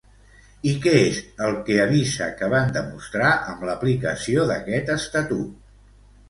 I què és el que avisa que van demostrar amb l'aplicació d'aquest estatut?